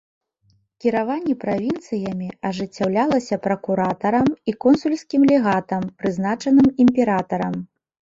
Кіраванне правінцыямі ажыццяўлялася пракуратарам і консульскім легатам, прызначаным імператарам.